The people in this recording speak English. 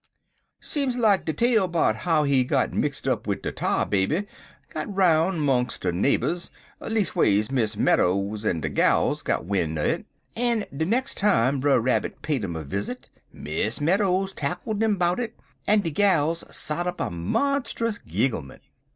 "Seem like dat de tale 'bout how he got mixt up wid de Tar Baby got 'roun' 'mongst de nabers. Leas'ways, Miss Meadows en de gals got win' un' it, en de nex' time Brer Rabbit paid um a visit Miss Meadows tackled 'im 'bout it, en de gals sot up a monstus gigglement.